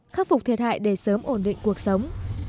khắc phục thiệt hại để sớm ổn định cuộc sống